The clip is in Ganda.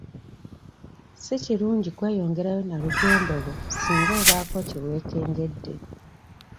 Si kirungi kweyongerayo na lugendo lwo singa obaako kye weekengedde.